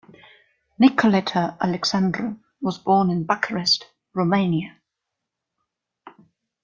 Nicoleta Alexandru was born in Bucharest, Romania.